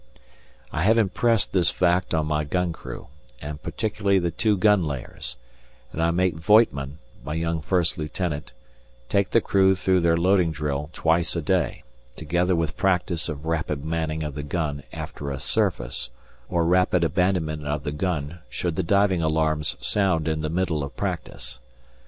I have impressed this fact on my gun crew, and particularly the two gun layers, and I make Voigtman (my young First Lieutenant) take the crew through their loading drill twice a day, together with practice of rapid manning of the gun after a "surface" or rapid abandonment of the gun should the diving alarms sound in the middle of practice.